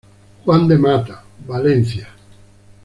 Juan de Mata Valencia.